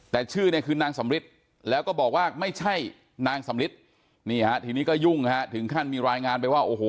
แต่ชื่อเนี่ยคือนางสำริทแล้วก็บอกว่าไม่ใช่นางสำริทนี่ฮะทีนี้ก็ยุ่งฮะถึงขั้นมีรายงานไปว่าโอ้โห